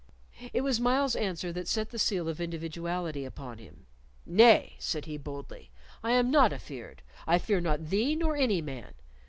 It was Myles's answer that set the seal of individuality upon him. "Nay," said he, boldly, "I am not afeard. I fear not thee nor any man!"